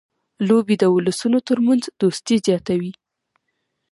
لوبې د اولسونو ترمنځ دوستي زیاتوي.